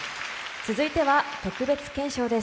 続いては特別顕彰です。